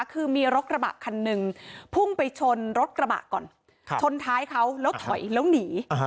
คือมีรถกระบะคันหนึ่งพุ่งไปชนรถกระบะก่อนชนท้ายเขาแล้วถอยแล้วหนี